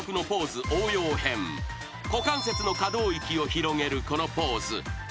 ［股関節の可動域を広げるこのポーズ］